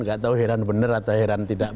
gak tau heran bener atau heran tidak